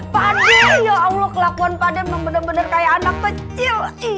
pade ya allah kelakuan pada membenar benar kayak anak kecil